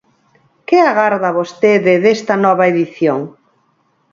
Que agarda vostede desta nova edición?